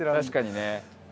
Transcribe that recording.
確かにね。